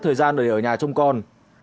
thời gian để ở nhà trong con